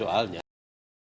bang kalian jawab